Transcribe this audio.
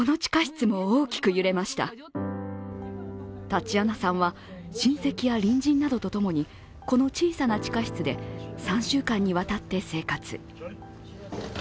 タチアナさんは、親戚や隣人などと共にこの小さな地下室で３週間にわたって生活。